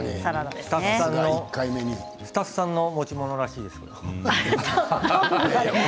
スタッフさんの持ち物らしいです。